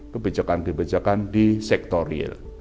kebijakan kebijakan di sektor real